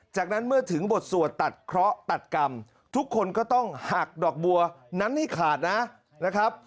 จากนั้นเมื่อถึงบทสวดตัดเคราะห์ตัดกรรมทุกคนก็ต้องหักดอกบัวนั้นให้ขาดนะครับ